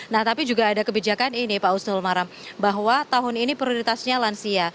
nah tapi juga ada kebijakan ini pak ustul maram bahwa tahun ini prioritasnya lansia